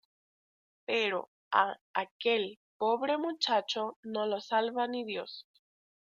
Pero a aquel pobre muchacho no lo salva ni Dios...